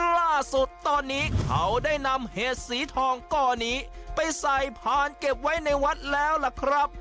ล่าสุดตอนนี้เขาได้นำเห็ดสีทองก้อนี้ไปใส่พานเก็บไว้ในวัดแล้วล่ะครับ